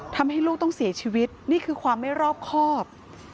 ทำให้ลูกต้องเสียชีวิตนี่คือความไม่รอบครอบ